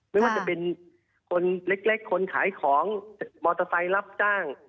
ไม่ว่าจะเป็นคนเล็กคนขายของมอเตอร์ไซค์รับจ้าง